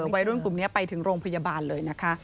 วัยรุ่นกลุ่มนี้ไปถึงโรงพยาบาลเลยนะคะ